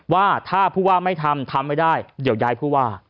ว่าถ้าผู้ว่าไม่ทำทำไม่ได้เดี๋ยวย้ายผู้ว่า